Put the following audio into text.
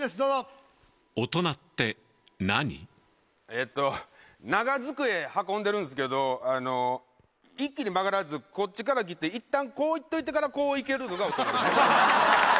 えっと長机運んでるんですけどあの一気に曲がらずこっちから来て一旦こう行っといてからこう行けるのが大人。